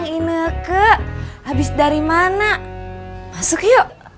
enak ineknya habis dari mana masuk yuk